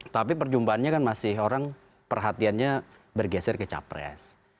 tapi perjumpaannya kan masih orang perhatiannya bergeser ke capres